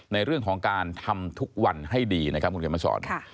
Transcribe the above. ในเรื่องของการทำทุกวันให้ดีนะครับคุณเขียนมาสอน